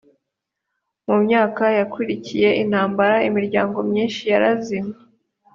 mu myaka yakurikiye intambara imiryango myinshi yarazimye